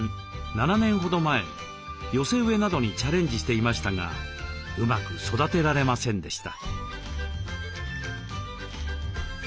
７年ほど前寄せ植えなどにチャレンジしていましたがうまく育てられませんでした。